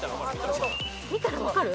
見たら分かる？